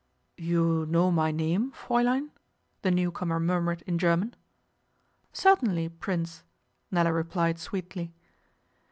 'You know my name, Fräulein?' the new comer murmured in German. 'Certainly, Prince,' Nella replied sweetly.